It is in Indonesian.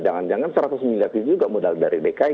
jangan jangan seratus miliar itu juga modal dari dki